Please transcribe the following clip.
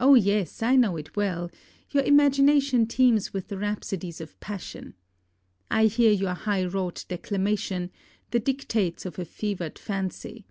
O yes, I know it well! your imagination teems with the rhapsodies of passion! I hear your high wrought declamation, the dictates of a fevered fancy.